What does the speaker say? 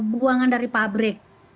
buangan dari pabrik